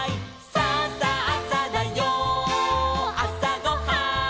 「さあさあさだよあさごはん」